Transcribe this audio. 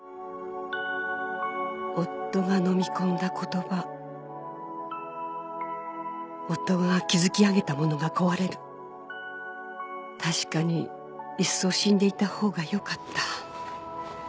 「夫がのみ込んだ言葉」「夫が築き上げたものが壊れる」「確かにいっそ死んでいた方がよかった」